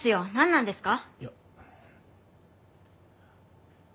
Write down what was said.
なんですか？